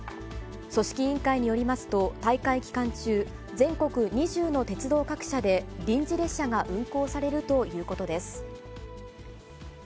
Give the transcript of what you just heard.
組織委員会によりますと、大会期間中、全国２０の鉄道各社で、臨時列車が運行されるということです。